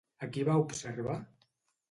A qui va observar?